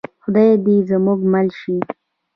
خدای دې زموږ مل شي؟